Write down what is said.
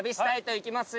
行きます。